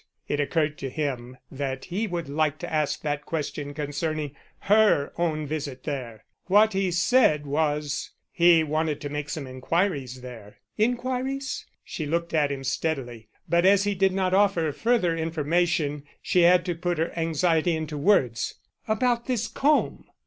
It occurred to him that he would like to ask that question concerning her own visit there. What he said was: "He wanted to make some inquiries there." "Inquiries?" She looked at him steadily, but as he did not offer further information she had to put her anxiety into words. "About this comb?"